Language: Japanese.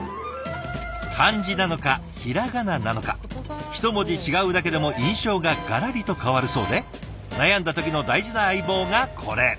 漢字なのか平仮名なのか１文字違うだけでも印象ががらりと変わるそうで悩んだ時の大事な相棒がこれ。